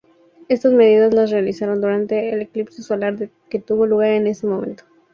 Estas medidas las realizaron durante el eclipse solar que tuvo lugar en ese momento.